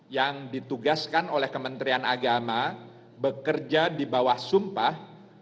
yang ditugaskan oleh kementerian agama bekerja di bawah sumpah